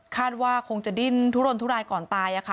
คาดว่าคงจะดิ้นทุรนทุรายก่อนตายค่ะ